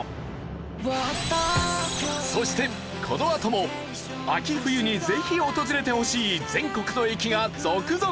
そしてこのあとも秋冬にぜひ訪れてほしい全国の駅が続々！